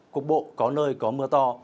cục bộ có nơi có mưa to